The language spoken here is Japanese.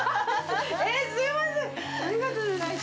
すみません、ありがとうございます。